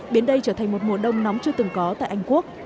biến đây trở thành một mùa đông nóng chưa từng có tại anh quốc